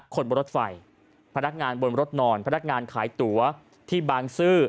คนบนรถไฟพนักงานบนรถนอนพนักงานขายตั๋วที่บางซื่อ